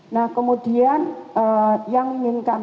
nah kemudian yang ingin kami